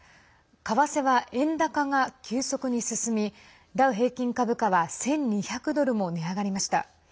為替は円高が急速に進みダウ平均株価は１２００ドルも値上がりました。